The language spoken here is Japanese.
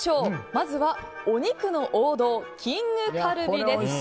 まずは、お肉の王道きんぐカルビです。